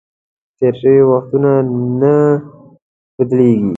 تېر شوي وختونه نه بدلیږي .